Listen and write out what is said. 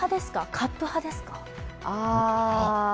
カップ派ですか？